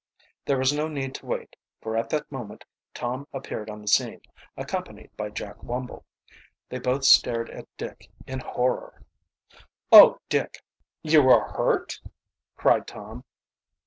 There was no need to wait, for at that moment Tom appeared on the scene, accompanied by Jack Wumble. They both stared at Dick in horror. "Oh, Dick, you are hurt?" cried Tom.